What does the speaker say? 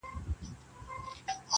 له نیکونو راته پاته بې حسابه زر لرمه,